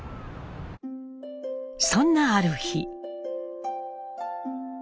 そんなある日。